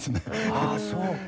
ああそうか。